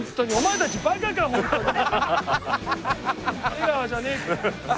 笑顔じゃねえ。